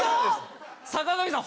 坂上さん